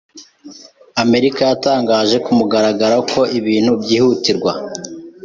Amerika yatangaje ku mugaragaro ko ibintu byihutirwa.